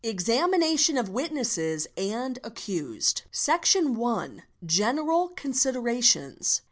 EXAMINATION OF WITNESSES AND ACCUSED. Section i.—General Considerations.